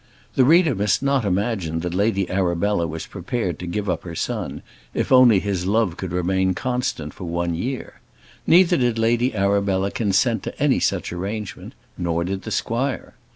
The reader must not imagine that Lady Arabella was prepared to give up her son, if only his love could remain constant for one year. Neither did Lady Arabella consent to any such arrangement, nor did the squire.